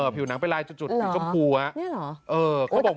ผิวน้ำไปลายจุดถึงกระบู๋